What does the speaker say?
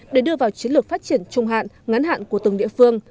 để đưa vào chiến lược phát triển trung hạn ngắn hạn của từng địa phương